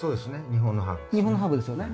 日本のハーブですよね。